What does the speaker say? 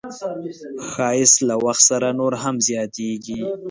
ښایست له وخت سره نور هم زیاتېږي